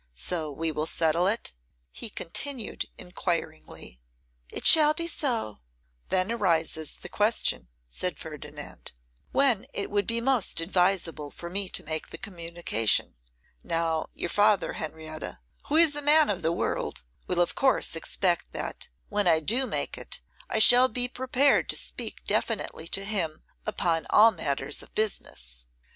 So we will settle it?' he continued enquiringly. 'It shall be so.' 'Then arises the question,' said Ferdinand, 'when it would be most advisable for me to make the communication. Now your father, Henrietta, who is a man of the world, will of course expect that, when I do make it, I shall be prepared to speak definitely to him upon all matters of business.